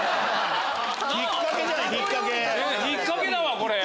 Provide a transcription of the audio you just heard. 引っ掛けだわこれ。